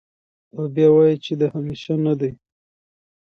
او بيا وائې چې د همېشه نۀ دے